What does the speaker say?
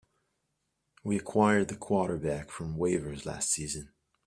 We acquired the quarterback from waivers last season.